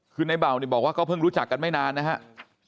คือในเบาเนี่ยบอกว่าก็เพิ่งรู้จักกันไม่นานนะครับ